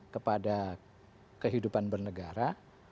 kepada kehidupan bernegara